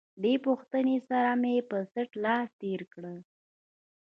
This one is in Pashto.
دې پوښتنې سره مې پر څټ لاس تېر کړ.